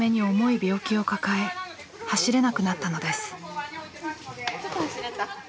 ちょっと走れた。